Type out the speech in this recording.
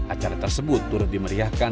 acara tersebut turut dimeriahkan